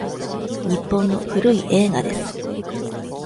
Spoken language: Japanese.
日本の古い映画です。